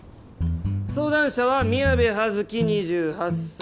相談者は宮部羽月２８歳。